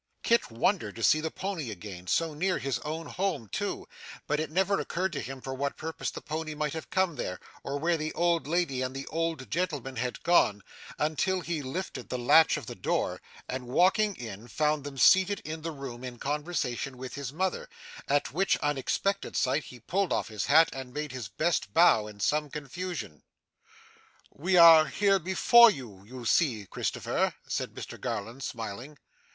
Kit wondered to see the pony again, so near his own home too, but it never occurred to him for what purpose the pony might have come there, or where the old lady and the old gentleman had gone, until he lifted the latch of the door, and walking in, found them seated in the room in conversation with his mother, at which unexpected sight he pulled off his hat and made his best bow in some confusion. 'We are here before you, you see, Christopher,' said Mr Garland smiling.